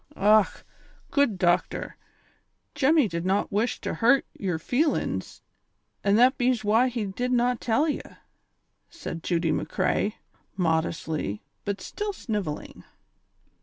"■Och ! good dochter, Jemmy did not wish to hurt j^er feelin's, an' that bees why he did not tell ye," said Judy McCrea, modestly, but still snivelling.